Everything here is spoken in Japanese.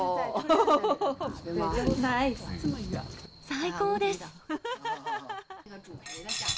最高です。